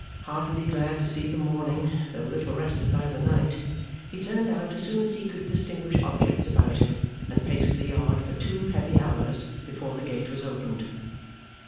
Heartily glad to see the morning, though little rested by the night, he turned out as soon as he could distinguish objects about him, and paced the yard for two heavy hours before the gate was opened.